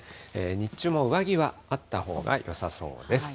日中も上着はあったほうがよさそうです。